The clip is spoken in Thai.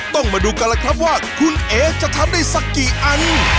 ต้องมาดูกันล่ะครับว่าคุณเอสจะทำได้สักกี่อัน